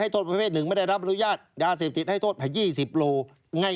โทษนี้นะครับโทษเนี่ย